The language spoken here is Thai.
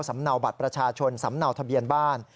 เนาบัตรประชาชนสำเนาทะเบียนบ้าน